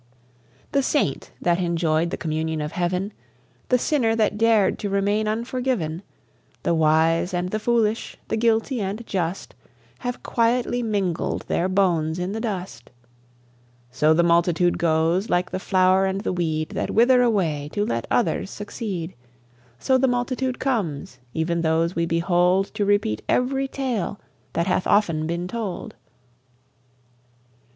The saint that enjoyed the communion of heaven, The sinner that dared to remain unforgiven, The wise and the foolish, the guilty and just, Have quietly mingled their bones in the dust. So the multitude goes, like the flower and the weed That wither away to let others succeed; So the multitude comes, even those we behold, To repeat every tale that hath often been told.